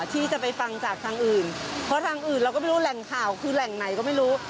ที่จะไปฟังจากทางอื่นเพราะทางอื่นเราก็ไม่รู้แหล่งข่าวคือแหล่งไหนก็ไม่รู้